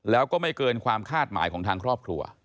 แล้วก็ไม่เกินความคาดหมายของทางครอบครัว